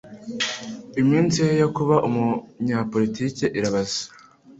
Iminsi ye yo kuba umunyapolitiki irabaze.